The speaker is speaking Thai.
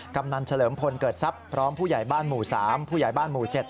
กำนันเฉลิมพลเกิดทรัพย์พร้อมผู้ใหญ่บ้านหมู่๓ผู้ใหญ่บ้านหมู่๗